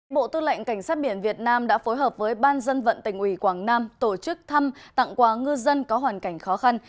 bộ tư lệnh cảnh sát biển việt nam đã phối hợp với ban dân vận tỉnh ủy quảng nam tổ chức thăm tặng quà ngư dân có hoàn cảnh khó khăn